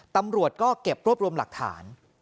ตำรวจก็เก็บรวบรวมหลักฐาน